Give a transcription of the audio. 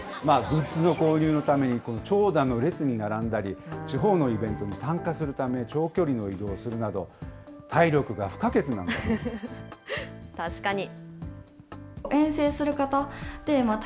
グッズの購入のために長蛇の列に並んだり、地方のイベントに参加するため、長距離の移動をするな確かに。